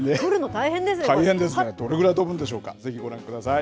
どれぐらい飛ぶんでしょうかぜひご覧ください。